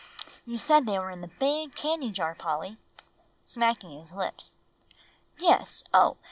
"You said they were in the big candy jar, Polly;" smacking his lips. "Yes oh!